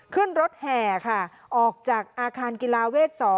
ขึ้นรถแห่ค่ะออกจากอาคารกีฬาเวท๒